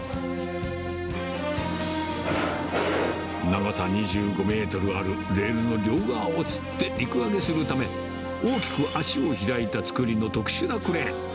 長さ２５メートルあるレールの両側をつって陸揚げするため、大きく足を開いた作りの特殊なクレーン。